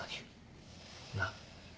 なっ。